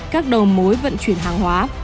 các đầu mối vận chuyển hàng hóa